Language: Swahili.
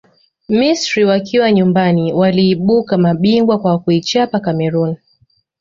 misri wakiwa nyumbani waliibuka mabingwa kwa kuichapa cameroon